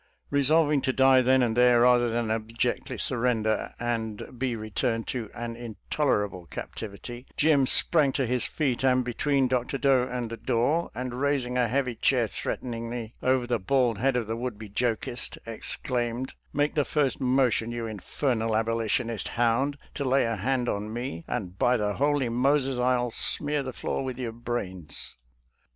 Re solving to die then and there, rather than ab jectly surrender and be returned to an intoler able captivity, Jim sprang to his feet and be tween Dr. Doe and the door, and raising a heavy chair threateningly over the bald head of the would be jokist, exclaimed, "Make the first motion, you infernal Abo litionist hound, to lay a hand on me, and by the holy Moses, I'll smear the floor with your brains